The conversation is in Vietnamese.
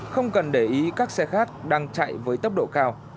không cần để ý các xe khác đang chạy với tốc độ cao